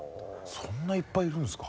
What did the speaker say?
そんないっぱいいるんですか。